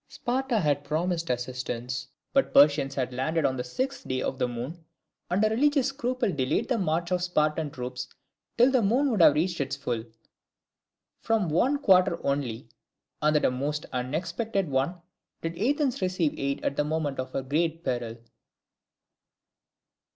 Sparta had promised assistance; but the Persians had landed on the sixth day of the moon, and a religious scruple delayed the march of Spartan troops till the moon should have reached its full. From one quarter only, and that a most unexpected one, did Athens receive aid at the moment of her great peril.